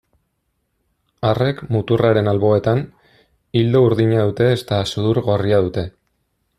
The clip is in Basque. Arrek muturraren alboetan, ildo urdina dute eta sudur gorria dute.